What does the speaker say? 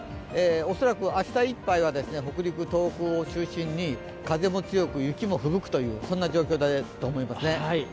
恐らく明日いっぱいは北陸、東北を中心に風も強く雪もふぶくという状況だと思いますね。